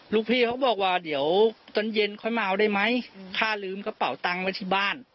ลูกพี่เขาบอกว่าเดี๋ยวตอนเย็นค่อยมาเอาได้ไหมข้าลืมกระเป๋าตังค์ไว้ที่บ้าน